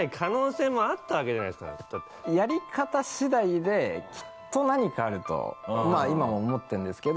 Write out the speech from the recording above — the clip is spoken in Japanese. やり方次第できっと何かあるとまあ今も思ってるんですけど。